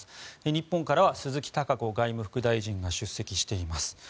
日本からは鈴木貴子外務副大臣が出席しています。